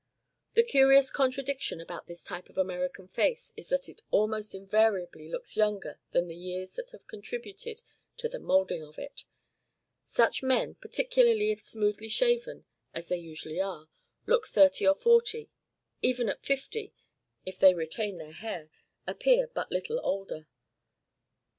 The curious contradiction about this type of American face is that it almost invariably looks younger than the years that have contributed to the modelling of it; such men, particularly if smoothly shaven as they usually are, look thirty at forty; even at fifty, if they retain their hair, appear but little older.